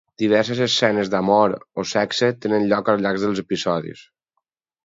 Diverses escenes d'amor o sexe tenen lloc al llarg dels episodis.